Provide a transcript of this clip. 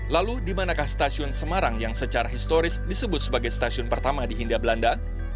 lalu dimanakah stasiun semarang yang secara historis disebut sebagai stasiun pertama di hindia belanda